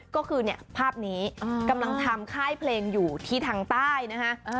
ก็คือเนี่ยภาพนี้กำลังทำค่ายเพลงอยู่ที่ทางใต้นะฮะ